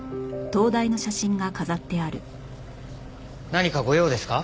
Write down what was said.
何かご用ですか？